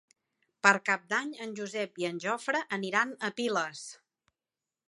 Per Cap d'Any en Josep i en Jofre aniran a Piles.